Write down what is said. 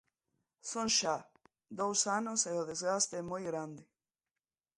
Son xa dous anos e o desgaste é moi grande.